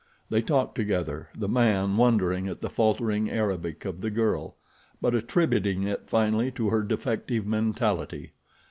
They talked together, the man wondering at the faltering Arabic of the girl, but attributing it finally to her defective mentality.